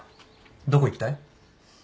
どこ行きたい？